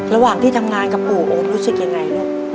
ระหว่างที่ทำงานกับปู่โอ๊ตรู้สึกยังไงลูก